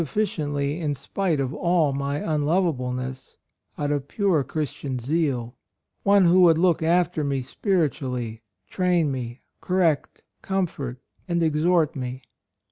39 ficicntly in spite of all my unlovableness, out of pure Christian zeal; one who would look after me spiritually, train me, correct, comfort and exhort me."